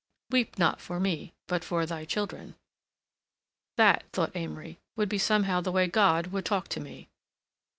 Weep not for me but for thy children. That—thought Amory—would be somehow the way God would talk to me.